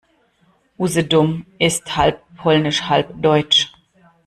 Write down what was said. Usedom ist halb polnisch, halb deutsch.